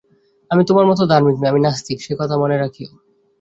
আমি তোমার মতো ধার্মিক নই, আমি নাস্তিক, সে কথা মনে রাখিয়ো।